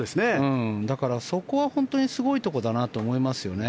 だから、本当にそこはすごいところだなと思いますよね。